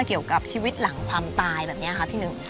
เกี่ยวกับชีวิตหลังความตายแบบนี้ค่ะพี่หนึ่ง